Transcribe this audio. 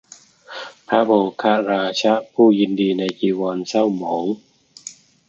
พระโมฆราชะ ผู้ยินดีใจจีวรเศร้าหมอง